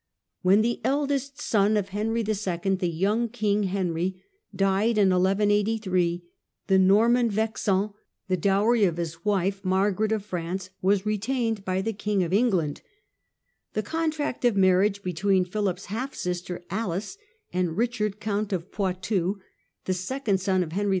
When the eldest son of Henry II., the "young king" Henry, died in 1183, the Norman Vexin, the dowry of his wife, Margaret of France (see p. 107), was retained by the King of England. The contract of marriage between Philip's half sister Alice and Eichard Count of Poitou, the second son of Henry II.